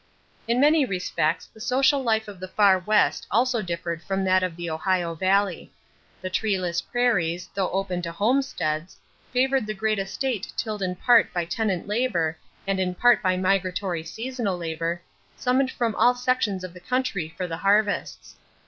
= In many respects the social life of the Far West also differed from that of the Ohio Valley. The treeless prairies, though open to homesteads, favored the great estate tilled in part by tenant labor and in part by migratory seasonal labor, summoned from all sections of the country for the harvests.